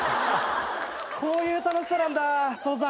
こういう楽しさなんだ登山。